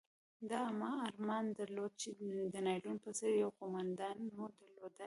ما ارمان درلود چې د ناپلیون په څېر یو قومندان مو درلودلای.